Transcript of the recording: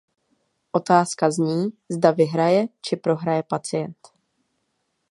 Otázka zní, zda vyhraje, či prohraje pacient.